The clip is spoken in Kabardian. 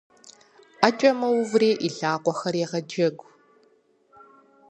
Ӏэкӏэ мэуври и лъакъуэхэр егъэджэгу.